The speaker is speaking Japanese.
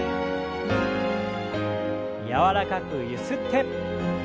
柔らかくゆすって。